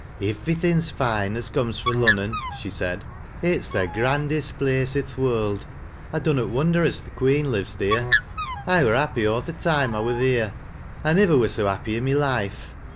" Ivvery thing's fine as comes fro' Lunuon," she said " It's the grandest place i' th' world. I dunnot wondei (13 th' queen lives theer. I wur happy aw th' toime 1 wur theer. T nivver were so happy i' my life.